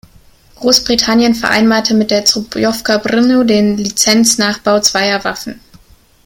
Großbritannien vereinbarte mit der Zbrojovka Brno den Lizenznachbau zweier Waffen.